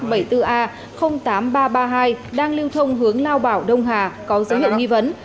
xe taxi biển kiểm soát bảy mươi bốn a tám nghìn ba trăm ba mươi hai đang lưu thông hướng lao bảo đông hà có giới hiện nghi vấn